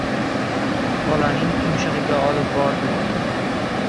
Bolaning tumshug‘iga olib bordi.